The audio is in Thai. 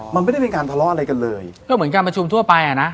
มันไม่ได้เป็นการทะเลาะอะไรกันเลยก็เหมือนการประชุมทั่วไปอ่ะนะ